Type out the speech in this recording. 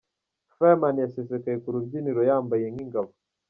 Fireman yasesekaye ku rubyiniro yambaye nkingabo.